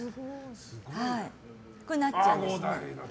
これなっちゃんですね。